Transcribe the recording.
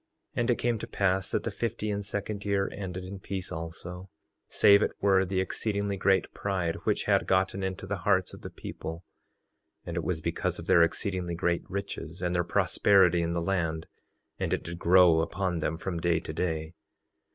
3:36 And it came to pass that the fifty and second year ended in peace also, save it were the exceedingly great pride which had gotten into the hearts of the people; and it was because of their exceedingly great riches and their prosperity in the land; and it did grow upon them from day to day.